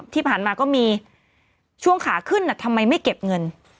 ที่ผ่านมาก็มีช่วงขาขึ้นทำไมไม่เก็บเงิน